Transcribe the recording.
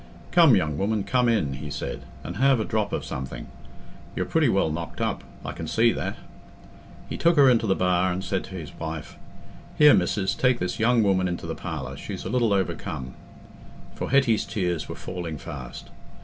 "Come, young woman, come in," he said, "and have a drop o' something; you're pretty well knocked up, I can see that." He took her into the bar and said to his wife, "Here, missis, take this young woman into the parlour; she's a little overcome"—for Hetty's tears were falling fast.